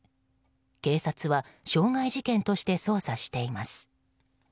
警察は傷害事件として捜査しています。